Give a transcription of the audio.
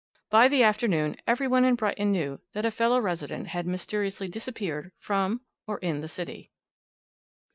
By the afternoon every one in Brighton knew that a fellow resident had mysteriously disappeared from or in the city.